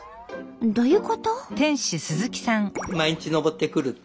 どういうこと？